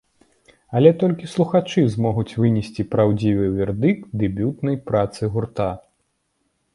Але толькі слухачы змогуць вынесці праўдзівы вердыкт дэбютнай працы гурта.